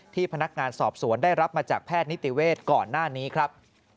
พนักงานสอบสวนได้รับมาจากแพทย์นิติเวศก่อนหน้านี้ครับ